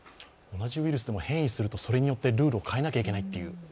同じウイルスでも変異するとそれによってルールを変えなければいけないという。